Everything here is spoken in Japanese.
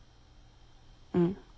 うん。